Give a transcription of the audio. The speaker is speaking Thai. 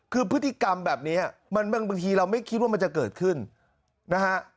คือพฤติกรรมแบบนี้มันบางทีเราไม่คิดว่ามันจะเกิดขึ้นนะฮะ